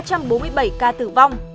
ba trăm bốn mươi bảy ca tử vong